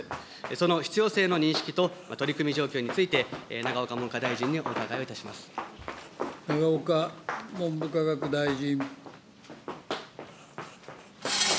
その必要性の認識と取り組み状況について、永岡文科大臣にお伺い永岡文部科学大臣。